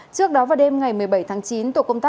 trước đó vào đêm ngày một mươi bảy tháng chín